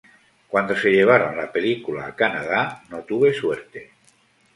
Cuando se llevaron la película a Canadá, no tuve suerte.